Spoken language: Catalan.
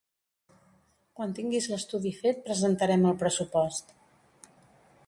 Quan tinguis l'estudi fet presentarem el pressupost